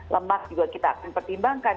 lemak juga kita akan pertimbangkan